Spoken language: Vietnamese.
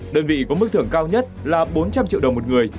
đơn vị có mức thưởng cao nhất là bốn trăm linh triệu đồng một người